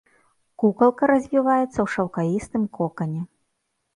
Кукалка развіваецца ў шаўкавістым кокане.